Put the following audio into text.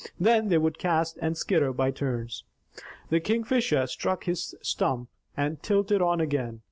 Then they would cast and skitter by turns. The Kingfisher struck his stump, and tilted on again.